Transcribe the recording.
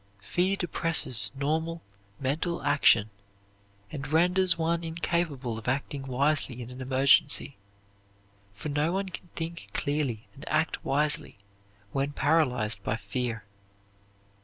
Fear depresses normal mental action, and renders one incapable of acting wisely in an emergency, for no one can think clearly and act wisely when paralyzed by fear.